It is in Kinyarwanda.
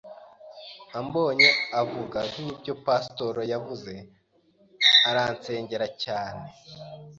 ambonye avuga nkibyo pastor yavuze aransengera cyane